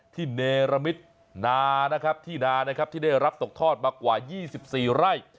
ที่เนรมิตที่นานะครับที่ได้รับตกทอดมากว่า๒๔ไร่